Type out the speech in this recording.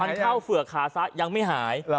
มันเข้าเฝือกขาซะยังไม่หาย